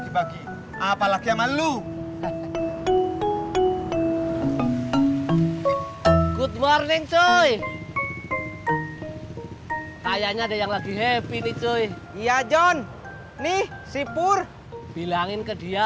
tiap jumat eksplosif di gtv